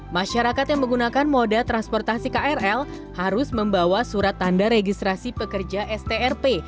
masyarakat yang menggunakan moda transportasi krl harus membawa surat tanda registrasi pekerja strp